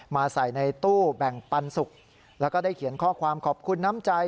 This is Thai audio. ใส่ในตู้แบ่งปันสุกแล้วก็ได้เขียนข้อความขอบคุณน้ำใจ